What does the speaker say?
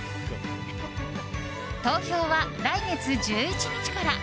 投票は来月１１日から。